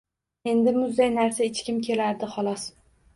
Endi muzday narsa ichgim kelardi, xolos